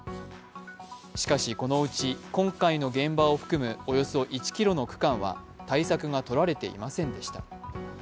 しかしこのうち、今回の現場を含むおよそ１ｋｍの区間は対策がとられていませんでした。